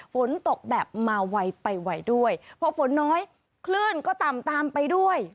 ฝนตกแบบมาไวไปไวด้วยพอฝนน้อยคลื่นก็ต่ำตามไปด้วย